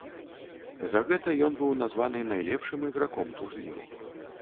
За гэта ён быў названы найлепшым іграком турніру.